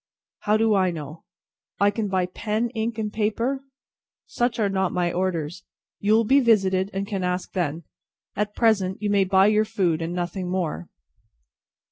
"How do I know!" "I can buy pen, ink, and paper?" "Such are not my orders. You will be visited, and can ask then. At present, you may buy your food, and nothing more."